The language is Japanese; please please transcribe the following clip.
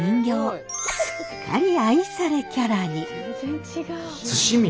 すっかり愛されキャラに。